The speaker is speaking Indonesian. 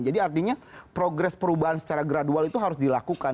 jadi artinya progress perubahan secara gradual itu harus dilakukan